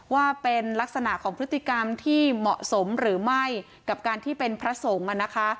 ว่าเป็นลักษณะของพฤติกรรมที่เหมาะสมหรือไม่กับการที่เป็นพระสงฆ์